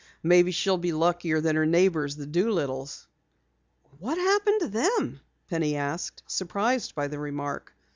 "Maybe she'll be luckier than her neighbors, the Doolittles." "What happened to them?" Penny asked, surprised by the remark.